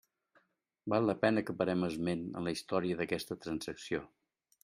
Val la pena que parem esment en la història d'aquesta transacció.